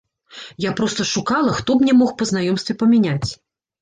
Я проста шукала, хто б мне мог па знаёмстве памяняць.